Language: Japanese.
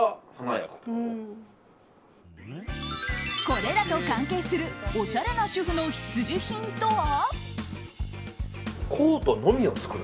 これらと関係するおしゃれな主婦の必需品とは？